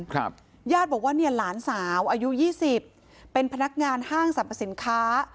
ครับญาติบอกว่าเนี่ยหลานสาวอายุยี่สิบเป็นพนักงานห้างสรรพสินค้า